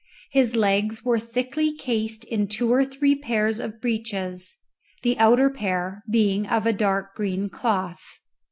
His legs were thickly cased in two or three pairs of breeches, the outer pair being of a dark green cloth.